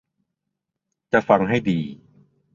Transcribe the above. จะฟังให้ดี